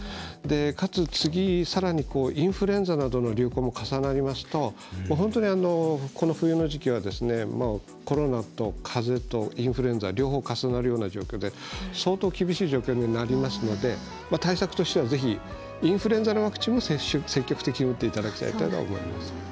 かつ次、さらにインフルエンザなどの流行も重なりますと、この冬の時期はコロナとかぜとインフルエンザ両方、重なるような状況で相当厳しい状況になりますので対策としてはぜひインフルエンザのワクチンも積極的に打っていただきたいと思います。